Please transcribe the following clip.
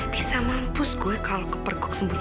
bisa mampus gue kalau kepergok sembuhnya